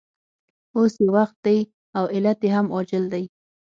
اوس یې وخت دی او علت یې هم عاجل دی